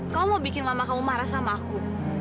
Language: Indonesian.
kamu mau bikin mama kamu marah sama aku